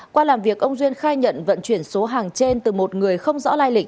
qua làm việc ông duyên khai nhận vận chuyển số hàng trên từ một người không rõ lai lịch